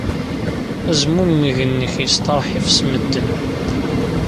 Azmumeg-nnek yesteṛḥib s medden.